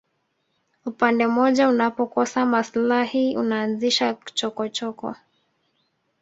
upande mmoja unapokosa maslahi unaanzisha chokochoko